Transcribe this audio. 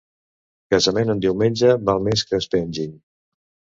Casament en diumenge, val més que es pengin.